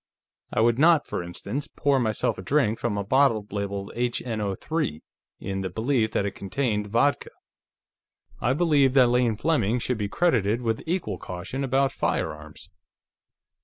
"I would not, for instance, pour myself a drink from a bottle labeled HNO_3 in the belief that it contained vodka. I believe that Lane Fleming should be credited with equal caution about firearms."